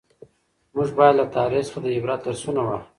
موږ باید له تاریخ څخه د عبرت درسونه واخلو.